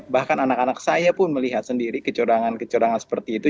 bahkan anak anak saya pun melihat sendiri kecurangan kecurangan seperti itu